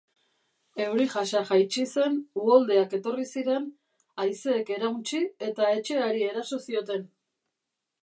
Euri-jasa jaitsi zen, uholdeak etorri ziren, haizeek erauntsi eta etxe hari eraso zioten.